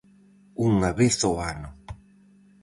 Unha vez ó ano...